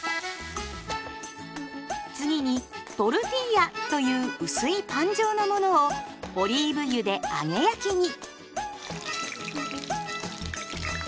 次にトルティーヤという薄いパン状のものをオリーブ油で揚げ焼きに。